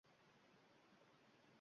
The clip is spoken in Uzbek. Akasi ismini qaydan bilib oldi ekan